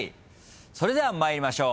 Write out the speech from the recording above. それでは参りましょう。